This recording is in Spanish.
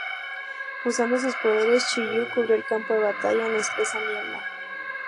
Usando sus poderes, Chi You cubrió el campo de batalla en espesa niebla.